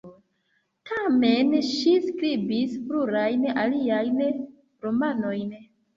Tamen, ŝi skribis plurajn aliajn romanojn.